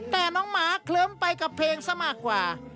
แต่น้องหมาเคลิ้มไปกับเพลงซะมากกว่า